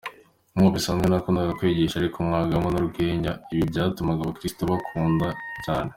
Nk’uko bisanzwe nakundaga kwigisha ariko mvangamo n’urwenya, ibi byatumaga Abakristu bankunda cyane.